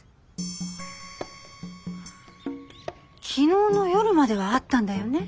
昨日の夜まではあったんだよね？